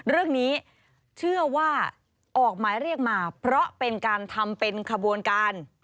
เรื่องนี้เชื่อว่าออกหมายเรียกมาเพราะเป็นการทำเป็นขบวนการ